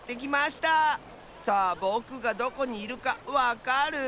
さあぼくがどこにいるかわかる？